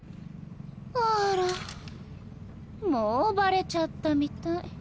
あらもうバレちゃったみたい。